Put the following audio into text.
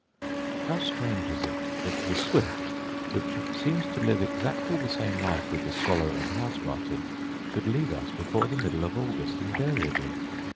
How strange is it that the swift, which seems to live exactly the same life with the swallow and house martin, should leave us before the middle of August invariably!